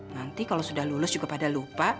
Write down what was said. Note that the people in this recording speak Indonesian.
nanti kalau sudah lulus juga pada lupa